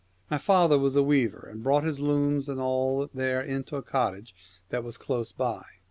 My father was a weaver, and brought his looms and all there into a cottage that was close by.